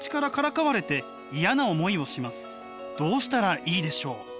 「どうしたらいいでしょう？」。